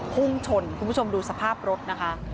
พุ่งชนคุณผู้ชมดูสภาพรถนะคะ